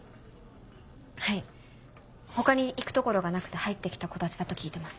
はい他に行く所がなくて入って来た子たちだと聞いてます。